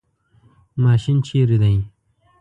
ماشین چیرته دی؟